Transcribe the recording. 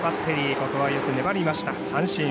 ここはよく粘りました、三振。